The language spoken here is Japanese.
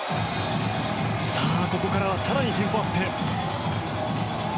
ここからは更にテンポアップ。